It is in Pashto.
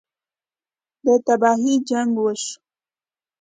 ده تباهۍ جـنګ وشو.